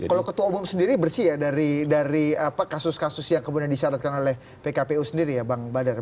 kalau ketua umum sendiri bersih ya dari kasus kasus yang kemudian disyaratkan oleh pkpu sendiri ya bang badar